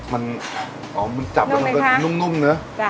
มันหอมันจับนุ่มเนอะ